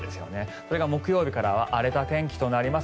それが木曜日からは荒れた天気となります。